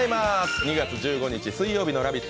２月１５日、水曜日の「ラヴィット！」